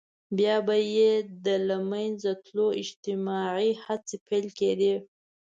بيا به يې د له منځه تلو اجتماعي هڅې پيل کېدې.